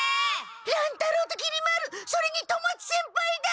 乱太郎ときり丸それに富松先輩だ！